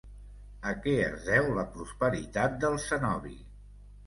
A què es deu la prosperitat del cenobi?